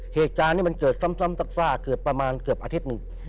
เหตุการณ์นี้มันเกิดซ้ำซากเกือบประมาณเกือบอาทิตย์หนึ่ง